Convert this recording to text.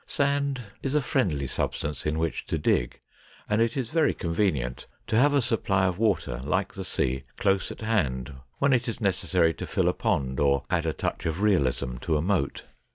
Sand is a friendly substance in which to dig, and it is very convenient to have a supply of water like the sea close at hand when it is necessary to fill a pond or add a touch of realism to a moat.